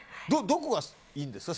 どこがいいんですか。